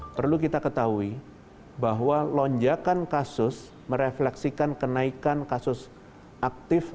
perlu kita ketahui bahwa lonjakan kasus merefleksikan kenaikan kasus aktif